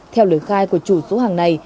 theo lời khai của chủ số hàng này